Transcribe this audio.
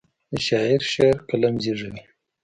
د شاعر شعر قلم زیږوي.